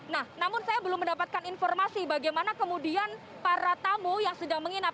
nah namun saya belum mendapatkan informasi bagaimana kemudian para tamu yang sedang menginap